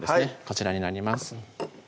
こちらになります